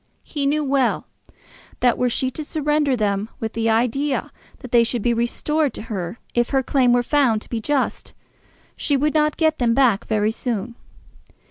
He knew well that were she to surrender them with the idea that they should be restored to her if her claim were found to be just, she would not get them back very soon.